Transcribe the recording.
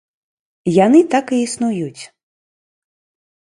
Яны так і існуюць.